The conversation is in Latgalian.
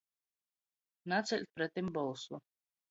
Naceļt pretim bolsu.